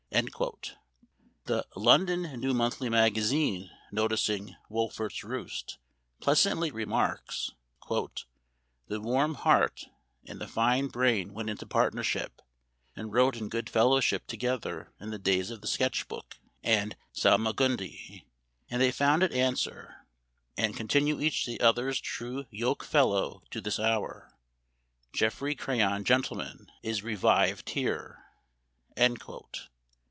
The " London New Monthly Magazine," noticing " Wolfert's Roost," pleasantly remarks :" The warm heart and the fine brain went into partnership, and wrote in good fellowship together in the days of the ' Sketch Book ' and ' Salmagundi ;' and they found it answer, and continue each the other's true yoke fellow to this hour. ...' Geoffrey Crayon, Gent.,' is re vived here."